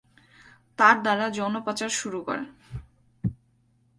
তার দ্বারা যৌন পাচার শুরু করে।